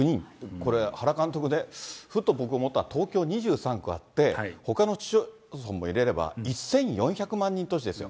これ、原監督ね、ふっと、僕、思ったのは、東京、２３区あって、ほかの市町村も入れれば１４００万人都市ですよ。